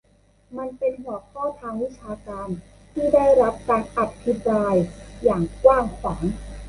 มันเป็นหัวข้อทางวิชาการที่ได้รับการอภิปรายอย่างกว้างขวาง